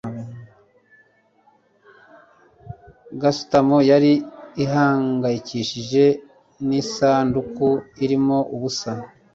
gasutamo yari ihangayikishijwe n'isanduku irimo ubusa